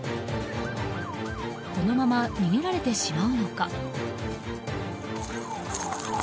このまま逃げられてしまうのか。